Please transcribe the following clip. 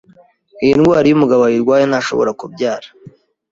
Iyi ndwara iyo umugabo ayirwaye ntashobora kubyara,